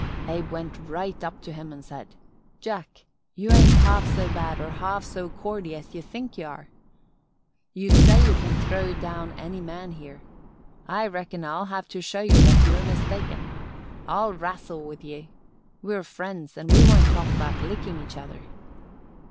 Abe went right up to him an' said: "'Jack, you ain't half so bad or half so cordy as ye think ye are. You say you can throw down any man here. I reckon I'll have to show ye that you're mistaken. I'll rassle with ye. We're friends an' we won't talk about lickin' each other.